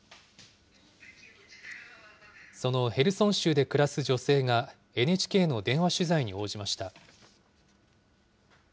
そのヘルソン州で暮らす女性がＮＨＫの電話取材に応じました。